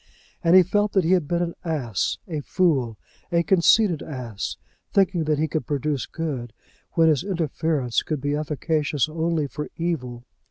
And he felt that he had been an ass, a fool, a conceited ass, thinking that he could produce good, when his interference could be efficacious only for evil.